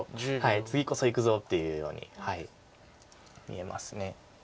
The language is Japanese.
次こそいくぞっていうように見えます。